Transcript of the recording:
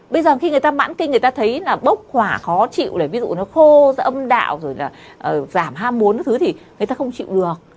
bây giờ khi người ta mãn kinh người ta thấy là bốc hỏa khó chịu ví dụ nó khô âm đạo giảm ham muốn thì người ta không chịu được